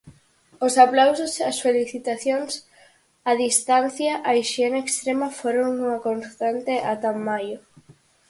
Os aplausos, as felicitacións a distancia, a hixiene extrema foron unha constante ata maio.